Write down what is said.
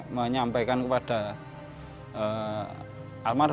cuma semasa damai ini ada l monsieur ar leonardo